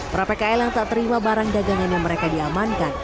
para pkl yang tak terima barang dagangan yang mereka diamankan